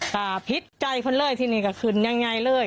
ก็พริชใจคนเล่าที่นอะไรก็ขึ้นอย่างไรเลย